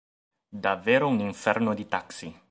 Davvero un inferno di taxi.